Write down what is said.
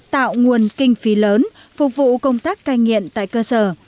tạo nguồn kinh phí lớn phục vụ công tác cai nghiện tại cơ sở